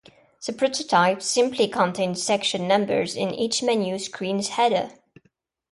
The prototype simply contains section numbers in each menu screen's header.